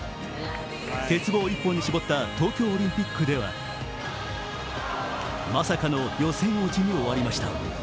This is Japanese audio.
鉄棒一本に絞った東京オリンピックではまさかの予選落ちに終わりました。